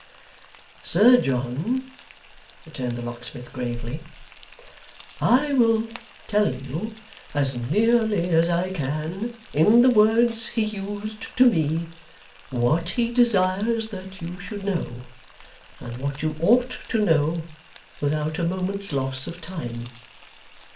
'Sir John,' returned the locksmith, gravely, 'I will tell you, as nearly as I can, in the words he used to me, what he desires that you should know, and what you ought to know without a moment's loss of time.